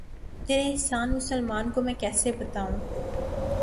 تیرے احسان مسلماں کو میں کیسے بتاؤں